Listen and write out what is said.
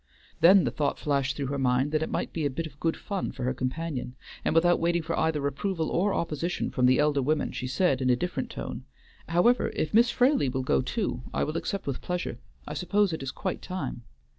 Then the thought flashed through her mind that it might be a bit of good fun for her companion; and without waiting for either approval or opposition from the elder women, she said, in a different tone, "However, if Miss Fraley will go too, I will accept with pleasure; I suppose it is quite time?"